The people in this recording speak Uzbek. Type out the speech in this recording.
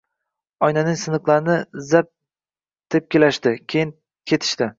Oynaning siniqlarini zab tepkilashdi. Keyin ketishdi.